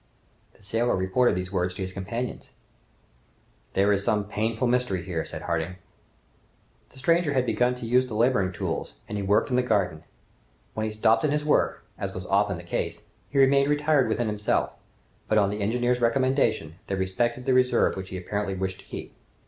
The sailor reported these words to his companions. "There is some painful mystery there!" said Harding. The stranger had begun to use the laboring tools, and he worked in the garden. When he stopped in his work, as was often the case, he remained retired within himself, but on the engineer's recommendation, they respected the reserve which he apparently wished to keep.